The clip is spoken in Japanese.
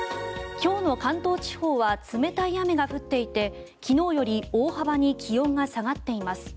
今日の関東地方は冷たい雨が降っていて昨日より大幅に気温が下がっています。